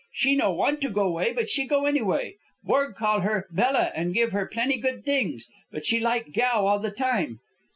She no want to go 'way, but she go anyway. Borg call her 'Bella,' and give her plenty good things, but she like Gow all the time."